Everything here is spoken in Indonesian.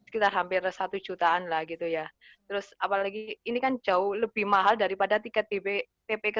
kita hampir satu jutaan lagi tuh ya terus apalagi ini kan jauh lebih mahal daripada tiket bb pp ke